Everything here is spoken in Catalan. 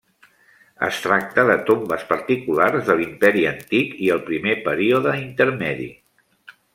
Es tracta de tombes particulars de l'Imperi Antic i el Primer Període Intermedi.